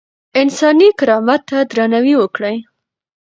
انساني کرامت ته درناوی وکړئ.